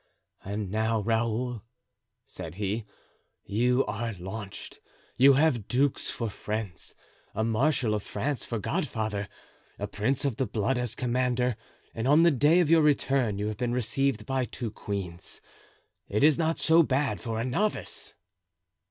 "And now, Raoul," said he, "you are launched; you have dukes for friends, a marshal of France for godfather, a prince of the blood as commander, and on the day of your return you have been received by two queens; it is not so bad for a novice."